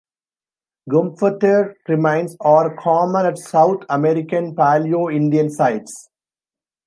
Gomphothere remains are common at South American Paleo-indian sites.